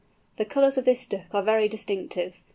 The colours of this Duck are very distinctive.